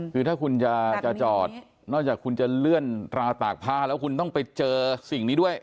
คือถ้าคุณจะจอดนอกจากคุณจะเลื่อนราวตากผ้าแล้วคุณต้องไปเจอสิ่งนี้ด้วย